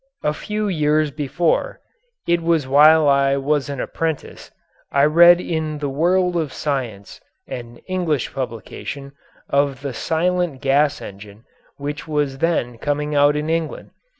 A few years before it was while I was an apprentice I read in the World of Science, an English publication, of the "silent gas engine" which was then coming out in England.